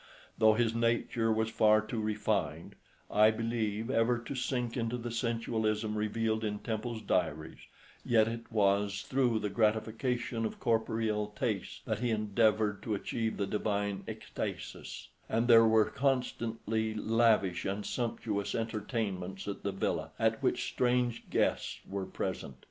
Though his nature was far too refined, I believe, ever to sink into the sensualism revealed in Temple's diaries, yet it was through the gratification of corporeal tastes that he endeavoured to achieve the divine extasis; and there were constantly lavish and sumptuous entertainments at the villa, at which strange guests were present.